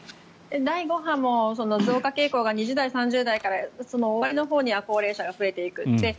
第５波も増加傾向が２０代、３０代から終わりのほうには高齢者が増えていく。